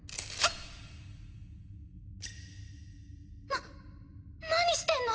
ンな何してんの？